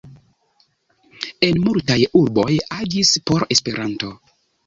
En multaj urboj agis por Esperanto.